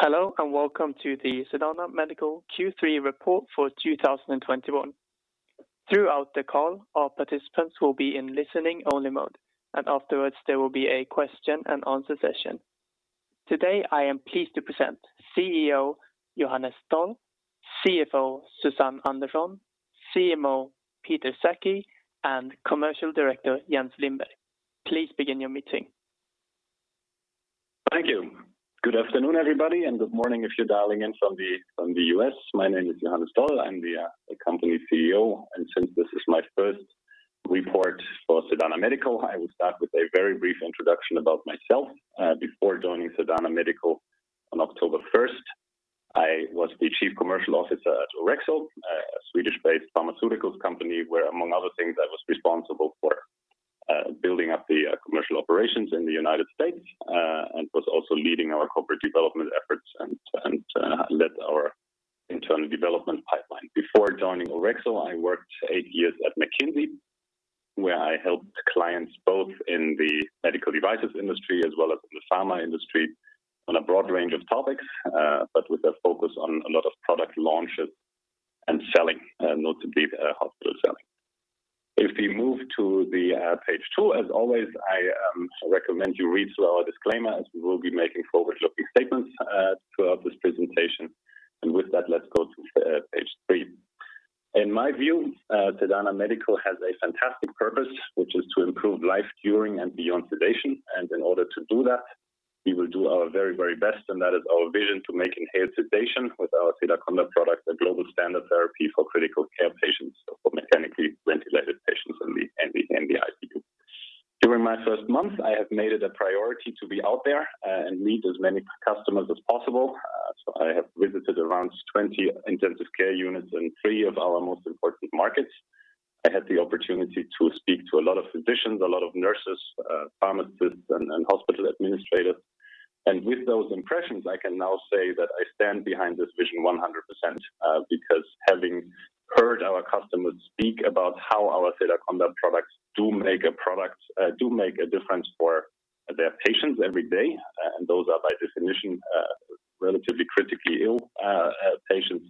Hello, and welcome to the Sedana Medical Q3 report for 2021. Throughout the call, our participants will be in listening only mode, and afterwards, there will be a question-and-answer session. Today, I am pleased to present CEO Johannes Doll, CFO Susanne Andersson, CMO Peter Sackey, and Commercial Director Jens Lindberg. Please begin your meeting. Thank you. Good afternoon, everybody, and good morning if you're dialing in from the U.S. My name is Johannes Doll. I'm the Company CEO, and since this is my first report for Sedana Medical, I will start with a very brief introduction about myself. Before joining Sedana Medical on October 1st, 2021 I was the Chief Commercial Officer at Orexo, a Swedish-based pharmaceuticals company, where, among other things, I was responsible for building up the commercial operations in the United States, and was also leading our corporate development efforts and led our internal development pipeline. Before joining Orexo, I worked eight years at McKinsey, where I helped clients both in the medical devices industry as well as in the pharma industry on a broad range of topics, but with a focus on a lot of product launches and selling, notably, hospital selling. If we move to the page two, as always, I recommend you read through our disclaimer, as we will be making forward-looking statements throughout this presentation. With that, let's go to page three. In my view, Sedana Medical has a fantastic purpose, which is to improve life during and beyond sedation. In order to do that, we will do our very, very best, and that is our vision to make inhaled sedation with our Sedaconda product a global standard therapy for critical care patients or for mechanically ventilated patients in the ICU. During my first month, I have made it a priority to be out there and meet as many customers as possible. I have visited around 20 intensive care units in three of our most important markets. I had the opportunity to speak to a lot of physicians, a lot of nurses, pharmacists, and hospital administrators. With those impressions, I can now say that I stand behind this vision 100%, because having heard our customers speak about how our Sedaconda products do make a difference for their patients every day, and those are by definition relatively critically ill patients.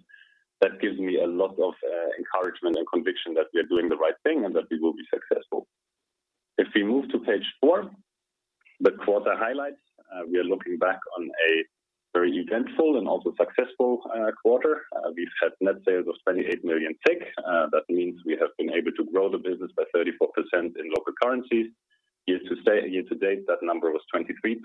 That gives me a lot of encouragement and conviction that we are doing the right thing and that we will be successful. If we move to page four, the quarter highlights. We are looking back on a very eventful and also successful quarter. We've had net sales of 28 million. That means we have been able to grow the business by 34% in local currencies. Year-to-date, that number was 23%.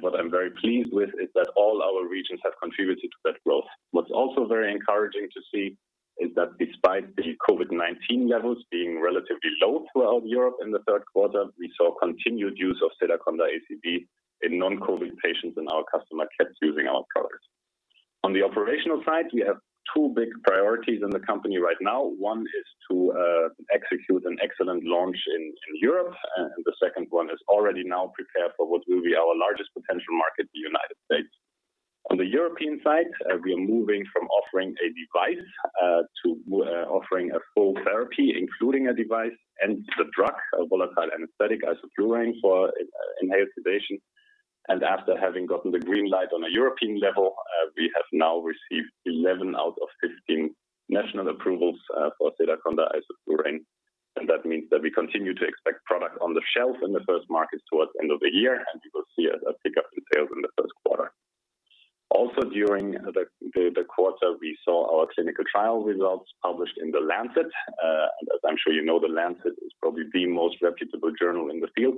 What I'm very pleased with is that all our regions have contributed to that growth. What's also very encouraging to see is that despite the COVID-19 levels being relatively low throughout Europe in the third quarter, we saw continued use of Sedaconda ACD in non-COVID patients, and our customer kept using our products. On the operational side, we have two big priorities in the company right now. One is to execute an excellent launch in Europe, and the second one is to already now prepare for what will be our largest potential market, the United States. On the European side, we are moving from offering a device to offering a full therapy, including a device and the drug, a volatile anesthetic, isoflurane, for inhaled sedation. After having gotten the green light on a European level, we have now received 11 out of 15 national approvals for Sedaconda isoflurane. That means that we continue to expect product on the shelf in the first markets towards end of the year, and we will see a pickup in sales in the first quarter. Also, during the quarter, we saw our clinical trial results published in The Lancet. As I'm sure you know, The Lancet is probably the most reputable journal in the field,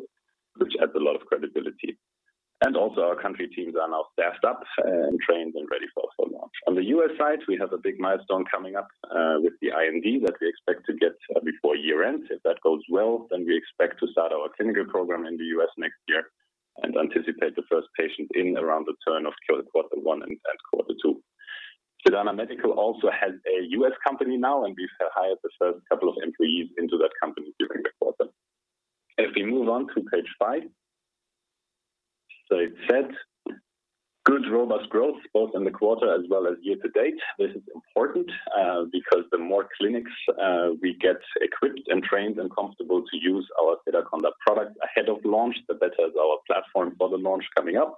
which adds a lot of credibility. Also our country teams are now staffed up and trained and ready for launch. On the U.S. side, we have a big milestone coming up with the IND that we expect to get before year-end. If that goes well, then we expect to start our clinical program in the U.S. next year and anticipate the first patient in around the turn of quarter one and quarter two. Sedana Medical also has a U.S. company now, and we've hired the first couple of employees into that company during the quarter. If we move on to page five. As said, good robust growth both in the quarter as well as year-to-date. This is important, because the more clinics we get equipped and trained and comfortable to use our Sedaconda product ahead of launch, the better is our platform for the launch coming up.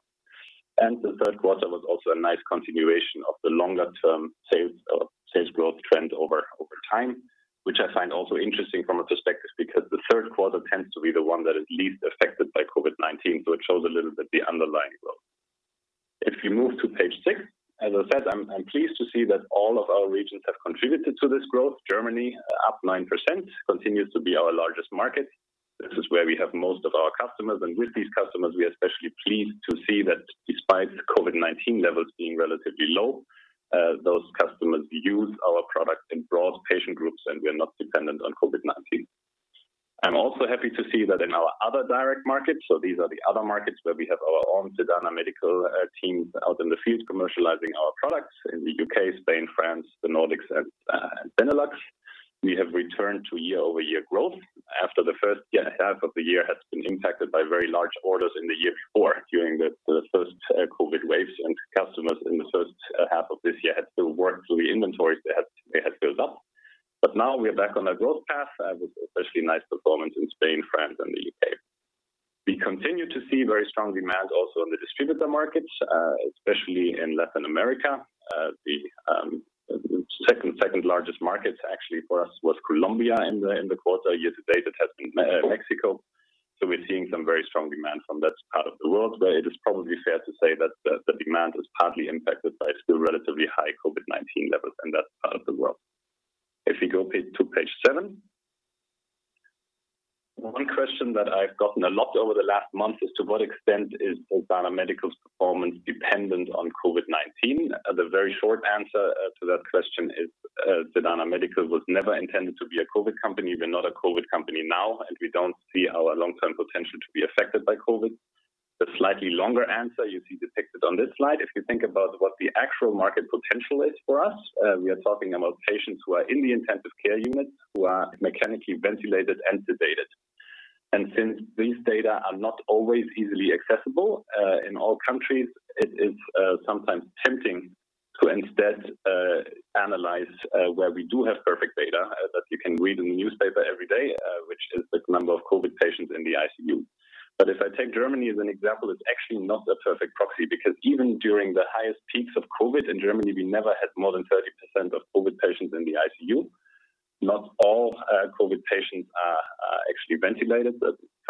The third quarter was also a nice continuation of the longer-term sales growth trend over time, which I find also interesting from a perspective because the third quarter tends to be the one that is least affected by COVID-19, so it shows a little bit the underlying growth. If we move to page six. As I said, I'm pleased to see that all of our regions have contributed to this growth. Germany, up 9%, continues to be our largest market. This is where we have most of our customers. With these customers, we are especially pleased to see that despite COVID-19 levels being relatively low, those customers use our product in broad patient groups, and we are not dependent on COVID-19. I'm also happy to see that in our other direct markets, so these are the other markets where we have our own Sedana Medical teams out in the field commercializing our products in the U.K., Spain, France, the Nordics, and Benelux. We have returned to year-over-year growth after the first half of the year had been impacted by very large orders in the year before during the first COVID waves, and customers in the first half of this year had to work through the inventories they had built up. Now we are back on a growth path, with especially nice performance in Spain, France, and the U.K. We continue to see very strong demand also in the distributor markets, especially in Latin America. The second-largest market actually for us was Colombia in the quarter. Year-to-date, it has been Mexico. We're seeing some very strong demand from that part of the world, but it is probably fair to say that the demand is partly impacted by still relatively high COVID-19 levels in that part of the world. If you go to page seven. One question that I've gotten a lot over the last month is to what extent is Sedana Medical's performance dependent on COVID-19? The very short answer to that question is, Sedana Medical was never intended to be a COVID company. We're not a COVID company now, and we don't see our long-term potential to be affected by COVID. The slightly longer answer you see depicted on this slide, if you think about what the actual market potential is for us, we are talking about patients who are in the intensive care unit who are mechanically ventilated and sedated. Since these data are not always easily accessible in all countries, it is sometimes tempting to instead analyze where we do have perfect data that you can read in the newspaper every day, which is the number of COVID patients in the ICU. If I take Germany as an example, it's actually not a perfect proxy because even during the highest peaks of COVID in Germany, we never had more than 30% of COVID patients in the ICU. Not all COVID patients are actually ventilated.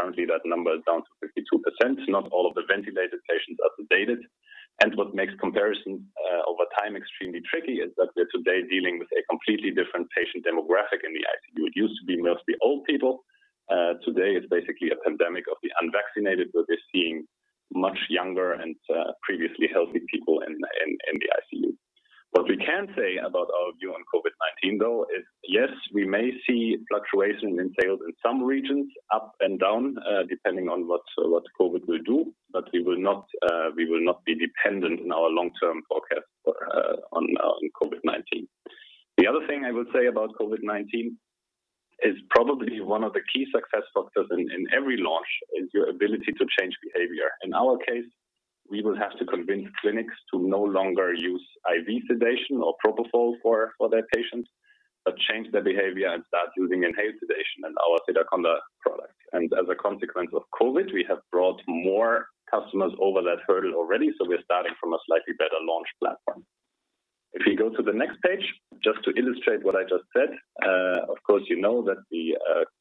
Currently that number is down to 52%. Not all of the ventilated patients are sedated. What makes comparison over time extremely tricky is that we're today dealing with a completely different patient demographic in the ICU. It used to be mostly old people. Today it's basically a pandemic of the unvaccinated. We're just seeing much younger and previously healthy people in the ICU. What we can say about our view on COVID-19, though, is, yes, we may see fluctuations in sales in some regions up and down, depending on what COVID will do, but we will not be dependent in our long-term forecast on COVID-19. The other thing I will say about COVID-19 is probably one of the key success factors in every launch is your ability to change behavior. In our case, we will have to convince clinics to no longer use IV sedation or propofol for their patients, but change their behavior and start using inhaled sedation and our Sedaconda product. As a consequence of COVID, we have brought more customers over that hurdle already, so we're starting from a slightly better launch platform. If you go to the next page, just to illustrate what I just said, of course you know that the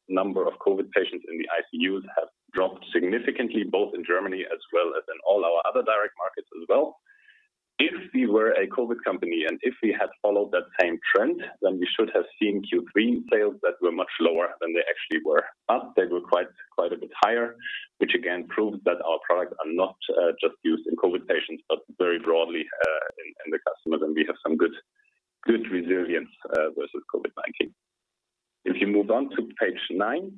number of COVID patients in the ICUs have dropped significantly, both in Germany as well as in all our other direct markets as well. If we were a COVID company, and if we had followed that same trend, then we should have seen Q3 sales that were much lower than they actually were. They were quite a bit higher, which again proves that our products are not just used in COVID patients, but very broadly in customers. We have some good resilience versus COVID-19. If you move on to page nine,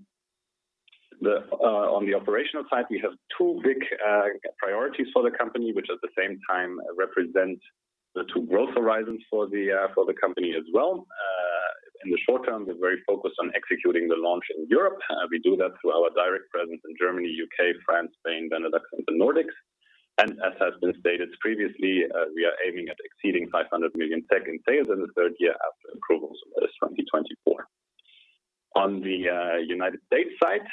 on the operational side, we have two big priorities for the company, which at the same time represent the two growth horizons for the company as well. In the short term, we're very focused on executing the launch in Europe. We do that through our direct presence in Germany, U.K., France, Spain, Benelux, and the Nordics. As has been stated previously, we are aiming at exceeding 500 million sales in the third year after approval, so that is 2024. On the U.S. side,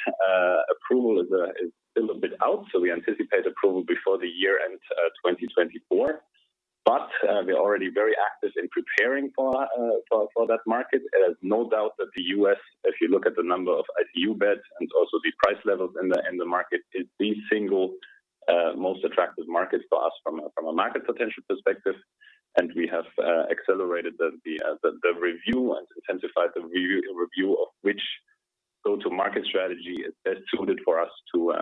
approval is a little bit out, so we anticipate approval before the year end, 2024. We're already very active in preparing for that market. There's no doubt that the U.S., if you look at the number of ICU beds and also the price levels in the market, is the single most attractive market for us from a market potential perspective. We have accelerated the review and intensified the review of which go-to-market strategy is best suited for us to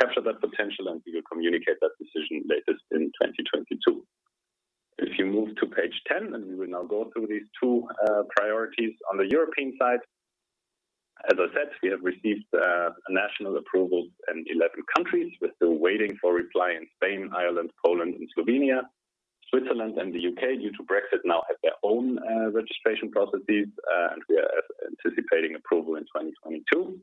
capture that potential, and we will communicate that decision latest in 2022. If you move to page 10, we will now go through these two priorities. On the European side, as I said, we have received national approvals in 11 countries. We're still waiting for reply in Spain, Ireland, Poland, and Slovenia. Switzerland and the U.K., due to Brexit, now have their own registration processes, and we are anticipating approval in 2022.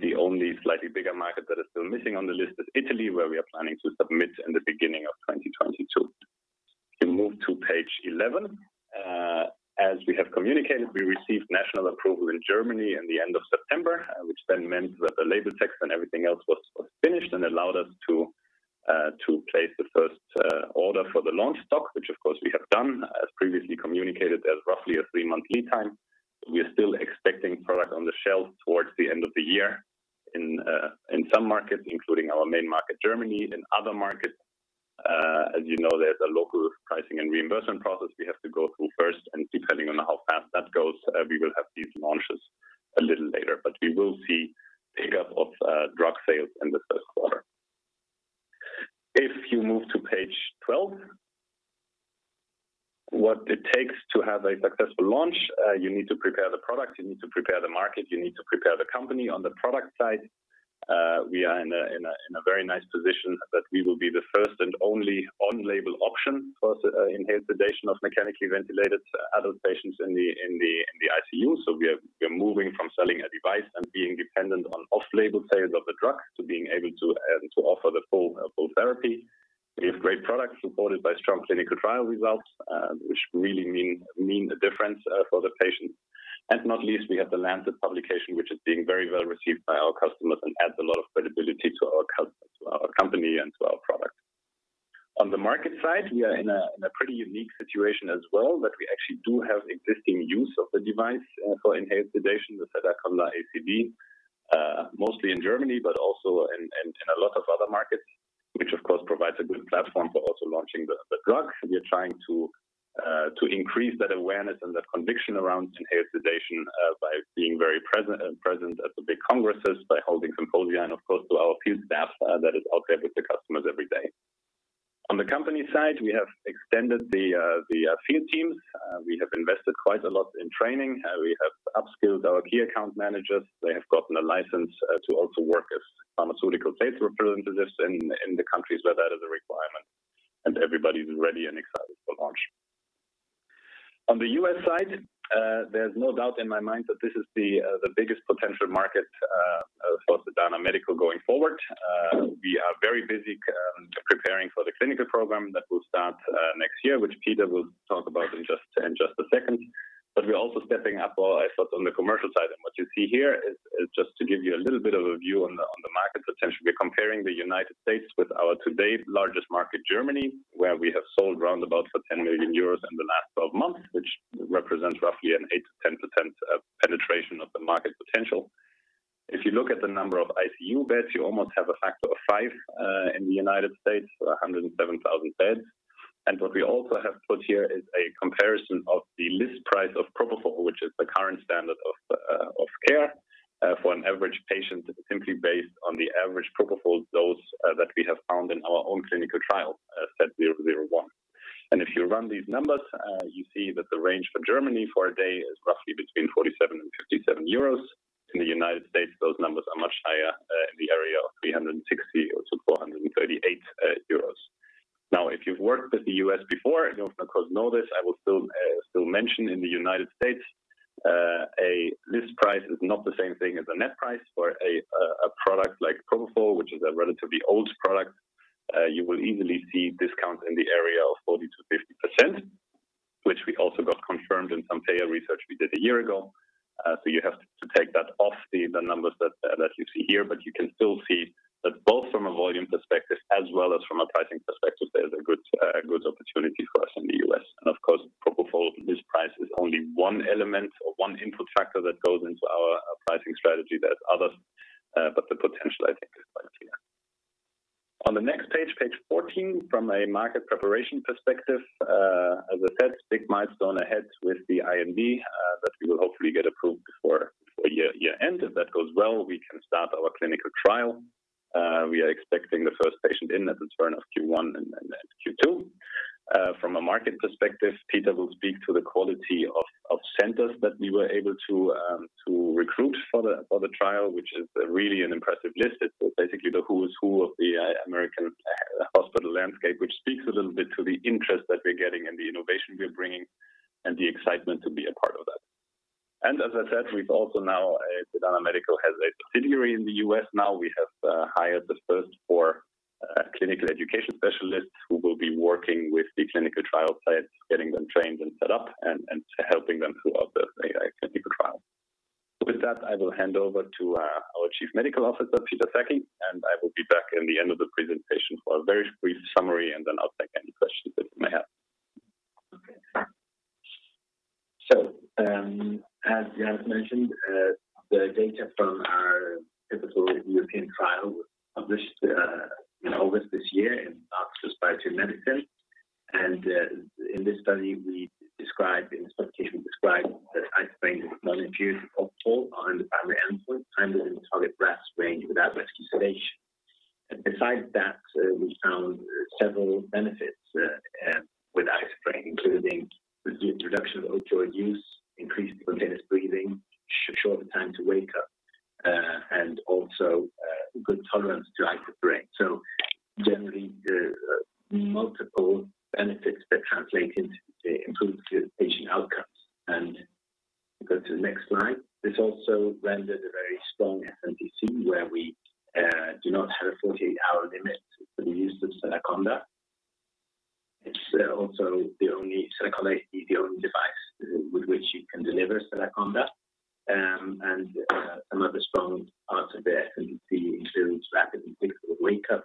The only slightly bigger market that is still missing on the list is Italy, where we are planning to submit in the beginning of 2022. If you move to page 11. As we have communicated, we received national approval in Germany in the end of September, which then meant that the label text and everything else was finished and allowed us to place the first order for the launch stock, which of course we have done. As previously communicated, there's roughly a three-month lead time. We are still expecting product on the shelf towards the end of the year in some markets, including our main market, Germany. In other markets, as you know, there's a local pricing and reimbursement process we have to go through first. Depending on how fast that goes, we will have these launches a little later. We will see pickup of drug sales in the first quarter. If you move to page 12. What it takes to have a successful launch, you need to prepare the product. You need to prepare the market. You need to prepare the company. On the product side, we are in a very nice position that we will be the first and only on-label option for inhaled sedation of mechanically ventilated adult patients in the ICU. Moving from selling a device and being dependent on off-label sales of the drug to being able to offer the full therapy. We have great products supported by strong clinical trial results, which really mean a difference for the patients. Not least, we have The Lancet publication, which is being very well received by our customers and adds a lot of credibility to our company and to our product. On the market side, we are in a pretty unique situation as well, that we actually do have existing use of the device for inhaled sedation, the Sedaconda ACD, mostly in Germany, but also in a lot of other markets, which of course provides a good platform for also launching the drug. We are trying to increase that awareness and that conviction around inhaled sedation by being very present at the big congresses, by holding symposia and of course, through our field staff that is out there with the customers every day. On the company side, we have extended the field teams. We have invested quite a lot in training. We have upskilled our key account managers. They have gotten a license to also work as pharmaceutical sales representatives in the countries where that is a requirement, and everybody's ready and excited for launch. On the U.S. side, there's no doubt in my mind that this is the biggest potential market for Sedana Medical going forward. We are very busy preparing for the clinical program that will start next year, which Peter will talk about in just a second. We're also stepping up our efforts on the commercial side. What you see here is just to give you a little bit of a view on the market potential. We're comparing the United States with our today largest market, Germany, where we have sold round about 10 million euros in the last 12 months, which represents roughly an 8%-10% penetration of the market potential. If you look at the number of ICU beds, you almost have a factor of 5 in the United States, 107,000 beds. What we also have put here is a comparison of the list price of propofol, which is the current standard of care, for an average patient simply based on the average propofol dose that we have found in our own clinical trial, SED001. If you run these numbers, you see that the range for Germany for a day is roughly between 47-57 euros. In the United States, those numbers are much higher, in the area of 360-438 euros. Now, if you've worked with the U.S. before, you of course know this, I will still mention in the United States, a list price is not the same thing as a net price. For a product like propofol, which is a relatively old product, you will easily see discounts in the area of 40%-50%, which we also got confirmed in some payer research we did a year ago. So you have to take that off the numbers that you see here. But you can still see that both from a volume perspective as well as from a pricing perspective, there's a good opportunity for us in the U.S. Of course, propofol list price is only one element or one input factor that goes into our pricing strategy. There are others, but the potential I think is quite clear. On the next page 14, from a market preparation perspective, as I said, big milestone ahead with the IND, that we will hopefully get approved before year-end. If that goes well, we can start our clinical trial. We are expecting the first patient in at the turn of Q1 and then Q2. From a market perspective, Peter will speak to the quality of centers that we were able to recruit for the trial, which is really an impressive list. It's basically the who's who of the American hospital landscape, which speaks a little bit to the interest that we're getting and the innovation we're bringing and the excitement to be a part of that. As I said, we've also now Sedana Medical has a subsidiary in the U.S. now. We have hired the first four clinical education specialists who will be working with the clinical trial sites, getting them trained and set up, and helping them throughout the clinical trial. With that, I will hand over to our Chief Medical Officer, Peter Sackey, and I will be back in the end of the presentation for a very brief summary, and then I'll take any questions that you may have. Okay. As Johannes has mentioned, the data from our pivotal European trial was published in August this year in The Lancet Respiratory Medicine. In this publication, we described that isoflurane with non-infused opioid on the primary endpoint, time to the target RASS range without rescue sedation. Besides that, we found several benefits with isoflurane, including reduction of opioid use, increased spontaneous breathing, shorter time to wake up, and also good tolerance to isoflurane. Generally, multiple benefits that translate into improved patient outcomes. Go to the next slide. This also rendered a very strong SmPC where we do not have a 48-hour limit for the use of Sedaconda. Sedaconda is the only device with which you can deliver Sedaconda. Another strong part of the SmPC includes rapid and physical wake-up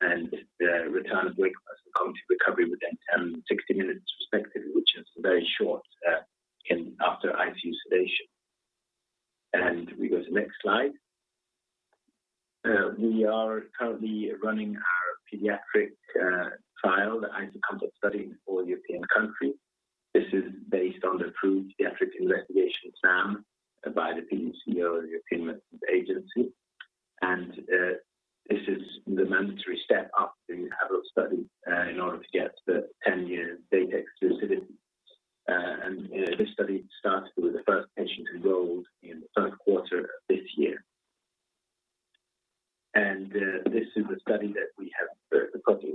and the return of wake-up as well as cognitive recovery within 10 and 60 minutes respectively, which is very short after ICU sedation. We go to next slide. We are currently running our pediatric trial, the isoflurane study in four European countries. This is based on the approved pediatric investigation plan by the PDCO and European Medicines Agency. This is the mandatory step after the adult study in order to get the 10-year data exclusivity. You know, this study started with the first patient enrolled in the first quarter of this year. This is the study that we have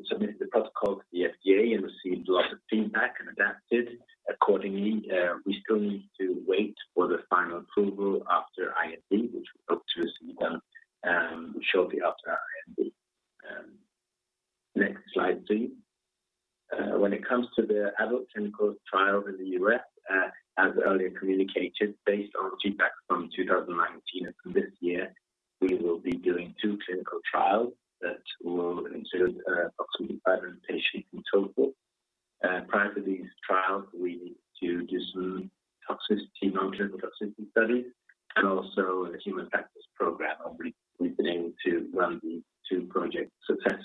submitted the protocol to the FDA and received lots of feedback and adapted accordingly. We still need to wait for the final approval after IND, which we hope to receive them shortly after our IND. Next slide please. When it comes to the adult clinical trial in the U.S., as earlier communicated based on feedback from 2019 and this year, we will be doing two clinical trials that will include approximately 500 patients in total. Prior to these trials, we need to do some non-clinical toxicity study and also a human factors program. We've been able to run the two projects successfully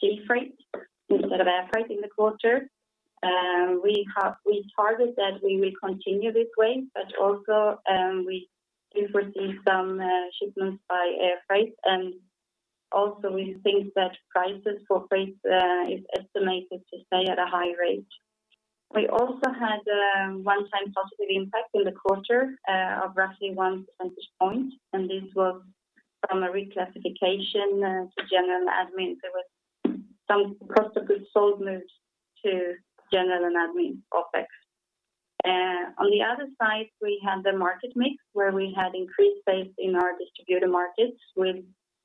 sea freight instead of air freight in the quarter. We target that we will continue this way but also, we do foresee some shipments by air freight and also we think that prices for freight is estimated to stay at a high rate. We also had one-time positive impact in the quarter of roughly 1 percentage point, and this was from a reclassification to general admin. There was some cost of goods sold moved to general and admin OpEx. On the other side, we had the market mix where we had increased sales in our distributor markets with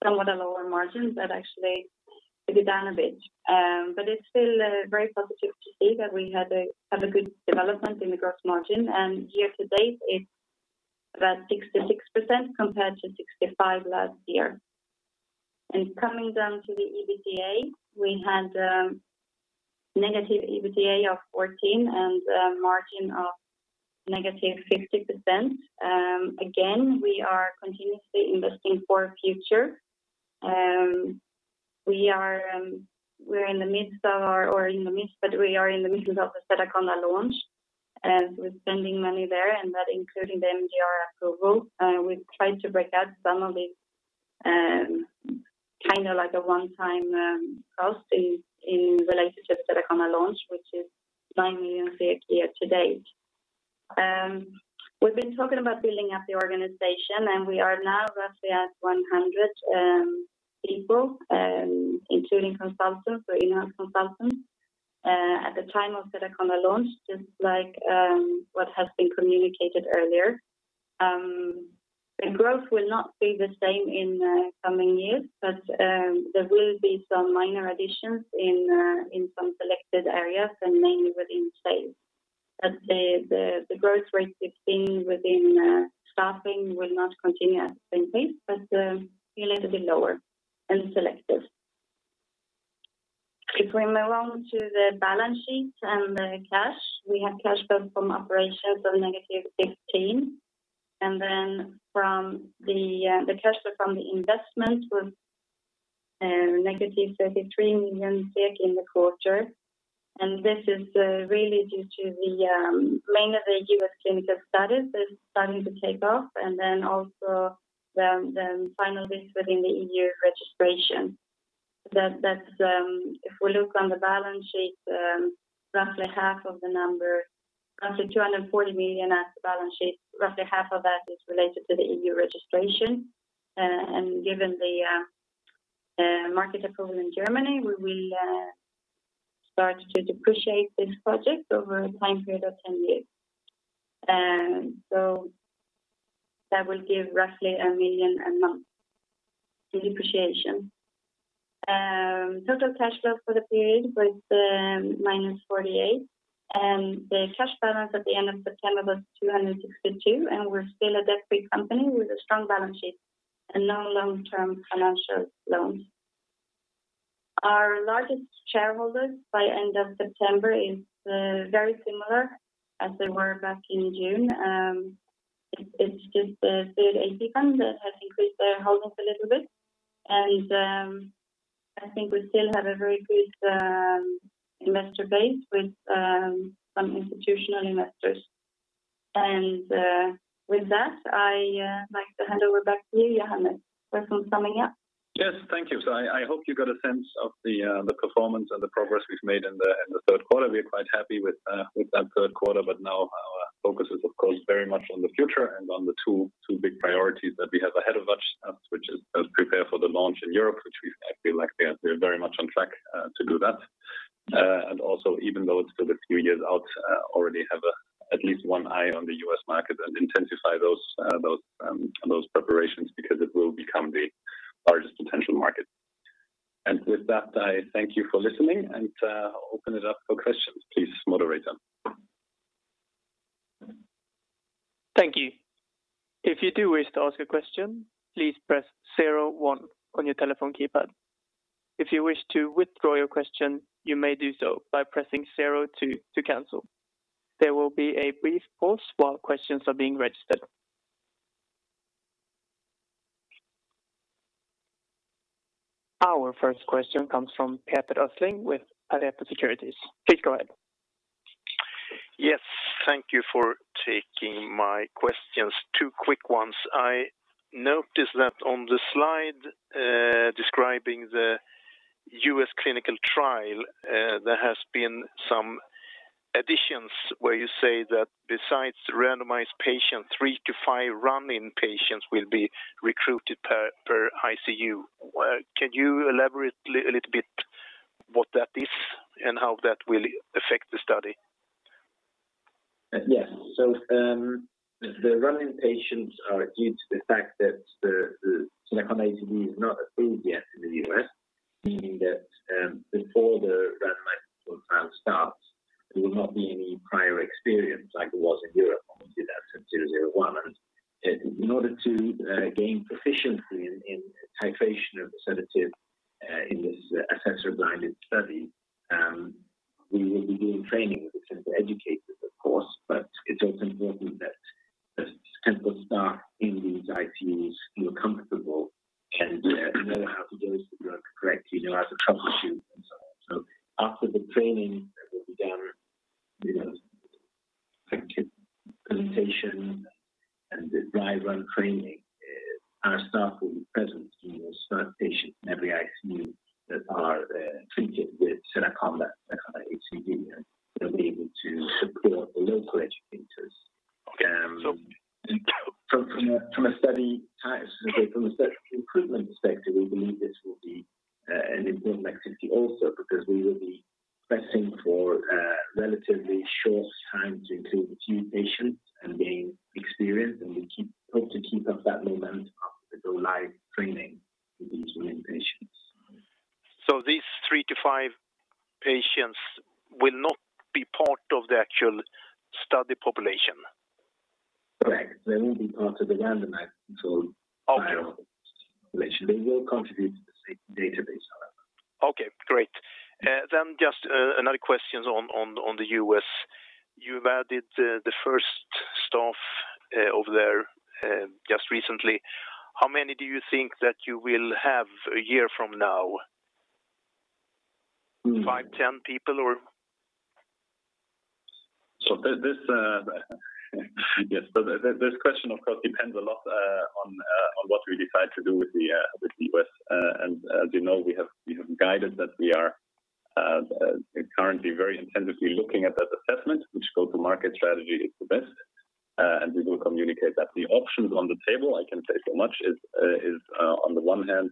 somewhat lower margin that actually went down a bit. It's still very positive to see that we had a good development in the gross margin, and year-to-date it's about 66% compared to 65% last year. Coming down to the EBITDA, we had negative EBITDA of 14 and a margin of negative 50%. Again, we are continuously investing for future. We're in the midst of the Sedaconda launch, we're spending money there and that including the MDR approval. We've tried to break out some of these, kind of like a one-time cost in relationship to Sedaconda launch which is SEK 9 million year-to-date. We've been talking about building up the organization and we are now roughly at 100 people, including consultants, so in-house consultants. At the time of Sedaconda launch just like what has been communicated earlier. The growth will not be the same in the coming years but there will be some minor additions in some selected areas and mainly within sales. The growth rate we've seen within staffing will not continue at the same pace but be a little bit lower and selective. If we move on to the balance sheet and the cash, we have cash flow from operations of -15 million. Cash flow from investing was -33 million in the quarter. This is really due to mainly the U.S. clinical studies that are starting to take off and then also the final bits within the EU registration. That's if we look on the balance sheet, roughly half of the number, roughly 240 million on the balance sheet, roughly half of that is related to the EU registration. Given the market approval in Germany, we will start to depreciate this project over a time period of 10 years. That will give roughly 1 million a month depreciation. Total cash flow for the period was -48 million, and the cash balance at the end of September was 262 million, and we're still a debt-free company with a strong balance sheet and no long-term financial loans. Our largest shareholders by end of September is very similar as they were back in June. It's just the Third AP Fund that has increased their holdings a little bit. I like to hand over back to you, Johannes, for some summing up. Yes. Thank you. I hope you got a sense of the performance and the progress we've made in the third quarter. We're quite happy with that third quarter, but now our focus is of course very much on the future and on the two big priorities that we have ahead of us. Which is to prepare for the launch in Europe, which we feel like we are very much on track to do that. And also even though it's still a few years out, we already have at least one eye on the U.S. market and intensify those preparations because it will become the largest potential market. With that, I thank you for listening and open it up for questions, please, moderator. Thank you. If you do wish to ask a question, please press zero one on your telephone keypad. If you wish to withdraw your question, you may do so by pressing zero two to cancel. There will be a brief pause while questions are being registered. Our first question comes from Peter Östling with Pareto Securities. Please go ahead. Yes. Thank you for taking my questions. Two quick ones. I noticed that on the slide describing the U.S. clinical trial, there has been some additions where you say that besides randomized patient, three to five run-in patients will be recruited per ICU. Can you elaborate a little bit what that is and how that will affect the study? Yes. The run-in patients are due to the fact that the Sedaconda ACD is not approved yet in the U.S., meaning that before the randomized control trial starts, there will not be any prior experience like it was in Europe obviously that's in SED001. In order to gain proficiency in titration of the sedative in this assessor-blinded study, we will be doing training with the center educators, of course, but it's also important that the central staff in these ICUs feel comfortable, can know how to dose the drug correctly, know how to troubleshoot and so on. After the training that will be done with presentation and the dry run training, our staff will be present for the first patient in every ICU that are treated with Sedaconda ACD, and they'll be able to support the local educators. From a study improvement perspective, we believe this will be an important activity also because we will be testing for a relatively short time to include a few patients and gain experience, and we hope to keep up that momentum as we go-live training with these run-in patients. These three to five patients will not be part of the actual study population? Correct. They won't be part of the randomized controlled trial population. Okay. They will contribute to the same database, however. Okay, great. Just another question on the U.S. You've added the first staff over there just recently. How many do you think that you will have a year from now? Mm. Five, 10 people or? This question of course depends a lot on what we decide to do with the U.S. As you know, we have guided that we are currently very intensively looking at that assessment, which go-to-market strategy is the best. We will communicate that. The options on the table, I can say so much, is on the one hand,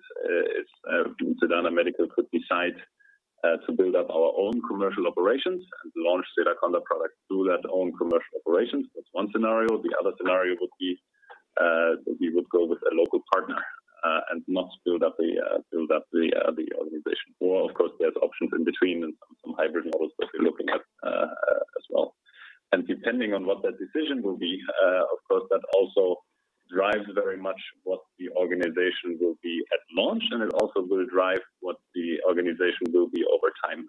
Sedana Medical could decide to build up our own commercial operations and launch Sedaconda products through our own commercial operations. That's one scenario. The other scenario would be that we would go with a local partner and not build up the organization. Of course, there's options in between and some hybrid models that we're looking at. Depending on what that decision will be, of course, that also drives very much what the organization will be at launch, and it also will drive what the organization will be over time.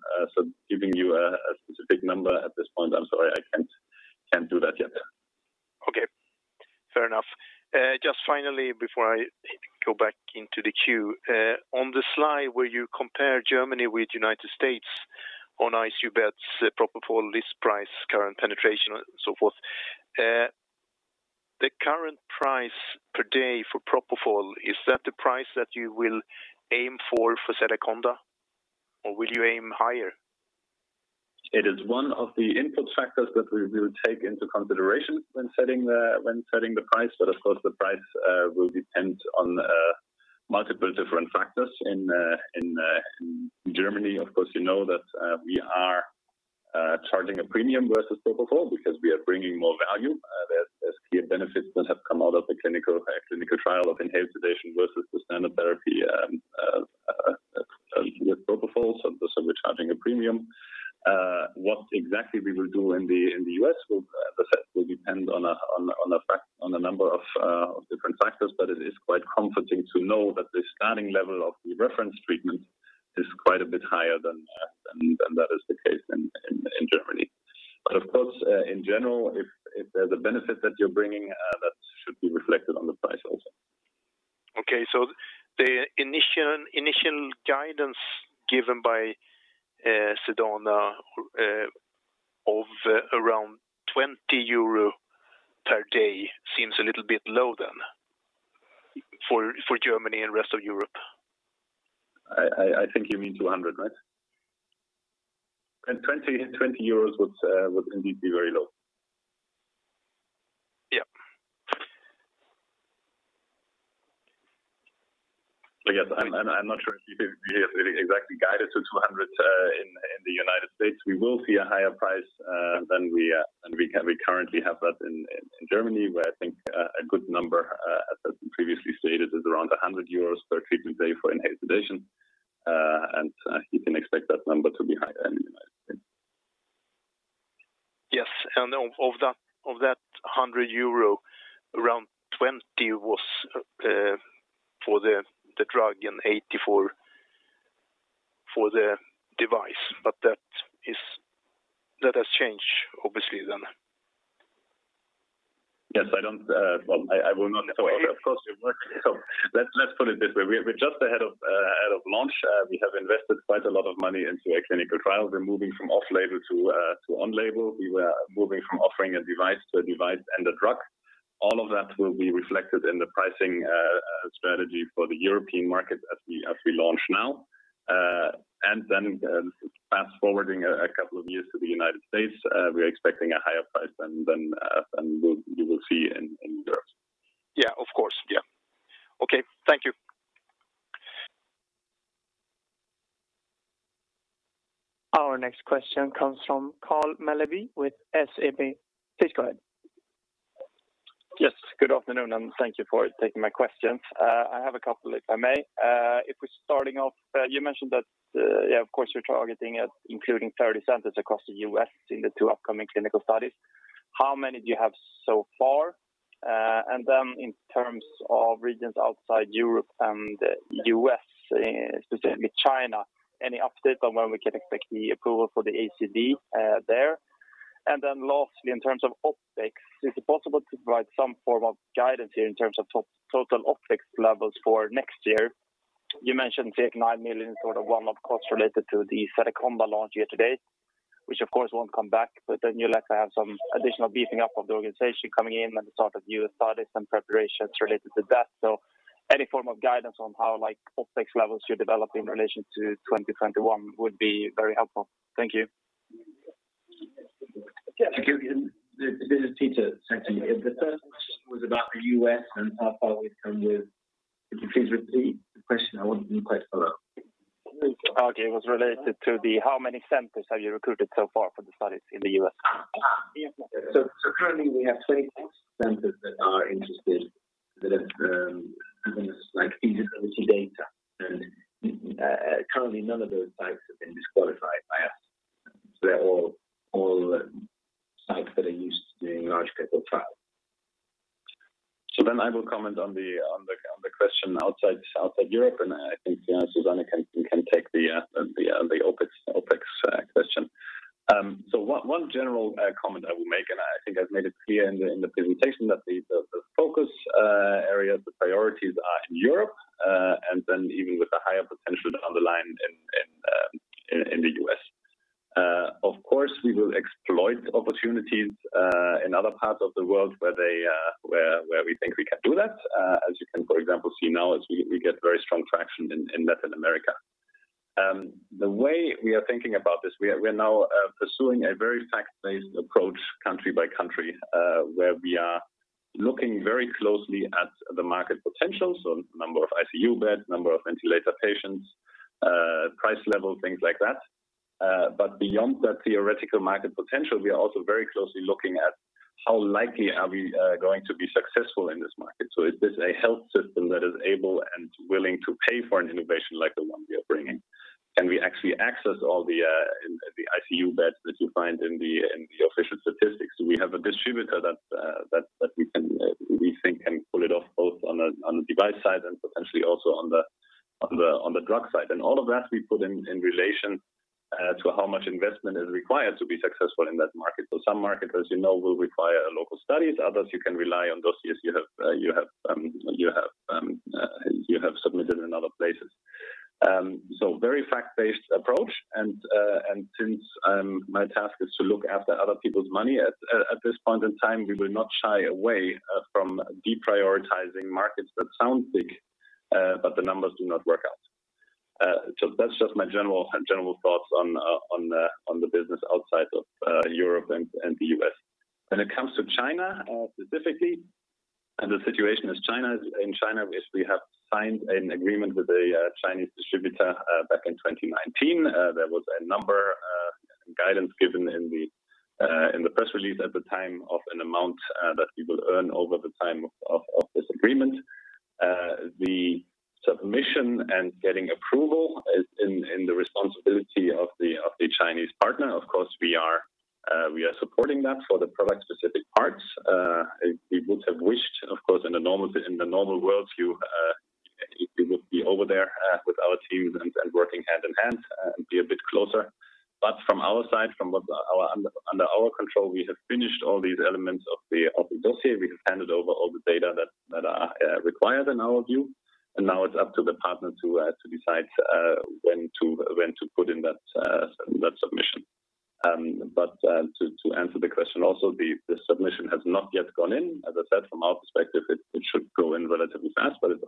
Giving you a specific number at this point, I'm sorry, I can't do that yet. Okay. Fair enough. Just finally, before I go back into the queue. On the slide where you compare Germany with United States on ICU beds, propofol, list price, current penetration and so forth. The current price per day for propofol, is that the price that you will aim for for Sedaconda, or will you aim higher? It is one of the input factors that we will take into consideration when setting the price. Of course, the price will depend on multiple different factors. In Germany, of course, you know that we are charging a premium versus propofol because we are bringing more value. There's clear benefits that have come out of the clinical trial of inhaled sedation versus the standard therapy with propofol, so we're charging a premium. What exactly we will do in the U.S. will depend on a number of different factors, but it is quite comforting to know that the starting level of the reference treatment is quite a bit higher than that is the case in Germany. Of course, in general, if there's a benefit that you're bringing, that should be reflected on the price also. The initial guidance given by Sedana of around 20 euro per day seems a little bit low then for Germany and rest of Europe. I think you mean 200, right? 20 euros would indeed be very low. Yeah. I'm not sure if we have exactly guided to 200 in the United States. We will see a higher price than we currently have in Germany, where I think a good number, as I previously stated, is around 100 euros per treatment day for inhaled sedation. You can expect that number to be higher in the United States. Yes. Of that 100 euro, around 20 was for the drug and 80 for the device. That has changed obviously then. Yes. I don't well, I will not go. Of course it would. Let's put it this way. We're just ahead of launch. We have invested quite a lot of money into a clinical trial. We're moving from off-label to on-label. We were moving from offering a device to a device and a drug. All of that will be reflected in the pricing strategy for the European market as we launch now. Fast-forwarding a couple of years to the United States, we're expecting a higher price than you will see in Europe. Yeah. Of course. Yeah. Okay. Thank you. Our next question comes from Karl Melbye with SEB. Please go ahead. Yes. Good afternoon, and thank you for taking my questions. I have a couple, if I may. If we're starting off, you mentioned that, yeah, of course, you're targeting at including 30 centers across the U.S. in the two upcoming clinical studies. How many do you have so far? And then in terms of regions outside Europe and U.S., specifically China, any update on when we can expect the approval for the ACD there? And then lastly, in terms of OpEx, is it possible to provide some form of guidance here in terms of total OpEx levels for next year? You mentioned the 9 million sort of one-off costs related to the Sedaconda launch year-to-date, which of course won't come back. You'll likely have some additional beefing up of the organization coming in and the start of new studies and preparations related to that. Any form of guidance on how, like, OpEx levels you develop in relation to 2021 would be very helpful. Thank you. Thank you. This is Peter talking. The first question was about the U.S. and how far we've come with. Could you please repeat the question? I wasn't quite following. Okay. It was related to the how many centers have you recruited so far for the studies in the U.S.? Currently we have 24 centers that are interested that have given us, like, feasibility data. Currently none of those sites have been disqualified by us. They're all sites that are used to doing large clinical trials. I will comment on the question outside Europe. I think Susanne can take the OpEx question. One general comment I will make, and I think I've made it clear in the presentation, that the focus area, the priorities are in Europe, and then even with the higher potential down the line in the U.S. Of course, we will exploit opportunities in other parts of the world where we think we can do that. As you can, for example, see now as we get very strong traction in Latin America. The way we are thinking about this, we are now pursuing a very fact-based approach country by country, where we are looking very closely at the market potential, so number of ICU beds, number of ventilator patients, price level, things like that. Beyond that theoretical market potential, we are also very closely looking at how likely we are going to be successful in this market. Is this a health system that is able and willing to pay for an innovation like the one we are bringing? Can we actually access all the ICU beds that you find in the official statistics? Do we have a distributor that we think can pull it off both on the device side and potentially also on the drug side? All of that we put in relation to how much investment is required to be successful in that market. Some markets, as you know, will require local studies. Others, you can rely on dossiers you have submitted in other places. Very fact-based approach. Since my task is to look after other people's money at this point in time, we will not shy away from deprioritizing markets that sound big, but the numbers do not work out. That's just my general thoughts on the business outside of Europe and the U.S. When it comes to China, specifically, we have signed an agreement with a Chinese distributor back in 2019. There was a number guidance given in the press release at the time of an amount that we will earn over the time of this agreement. The submission and getting approval is in the responsibility of the Chinese partner. Of course, we are supporting that for the product-specific parts. We would have wished, of course, in the normal world, we would be over there with our teams and working hand in hand, be a bit closer. From our side, from what is under our control, we have finished all these elements of the dossier. We have handed over all the data that are required in our view. Now it's up to the partner to decide when to put in that submission. To answer the question also, the submission has not yet gone in. As I said, from our perspective, it should go in relatively fast, but it's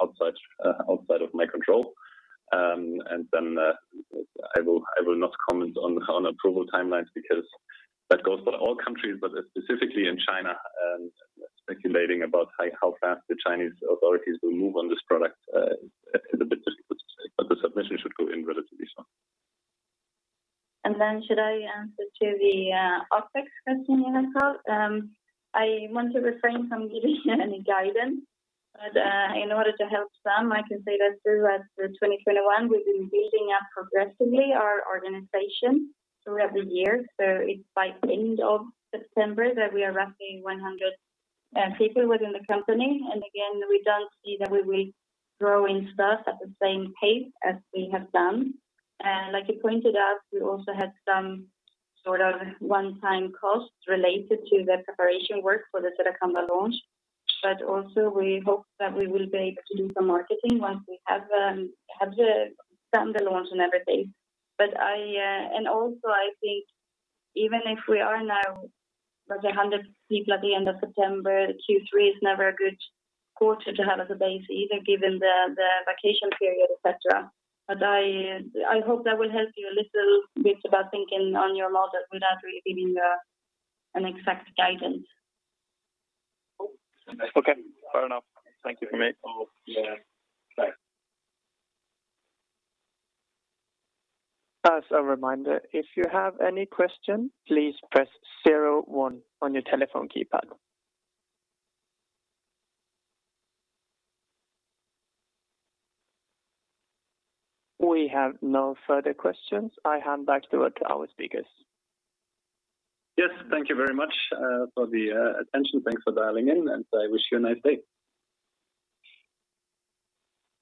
outside of my control. I will not comment on approval timelines because that goes for all countries. Specifically in China and speculating about how fast the Chinese authorities will move on this product is a bit difficult to say, but the submission should go in relatively soon. Should I answer to the OpEx question? I want to refrain from giving any guidance. In order to help some, I can say that throughout 2021, we've been building up progressively our organization throughout the year. It's by end of September that we are roughly 100 people within the company. Again, we don't see that we will grow in staff at the same pace as we have done. Like you pointed out, we also had some sort of one-time costs related to the preparation work for the Sedaconda launch. Also we hope that we will be able to do some marketing once we have done the launch and everything. I and also I think even if we are now like 100 people at the end of September, Q3 is never a good quarter to have as a base either given the vacation period, etc. I hope that will help you a little bit about thinking on your model without really giving an exact guidance. Okay. Fair enough. Thank you for me. Yeah. Bye. As a reminder, if you have any question, please press zero one on your telephone keypad. We have no further questions. I hand back to our speakers. Yes. Thank you very much for the attention. Thanks for dialing in, and I wish you a nice day.